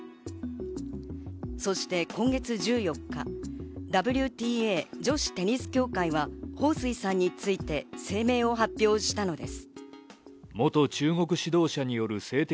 そして今月１４日、ＷＴＡ＝女子テニス協会はホウ・スイさんについて声明を発表したのです。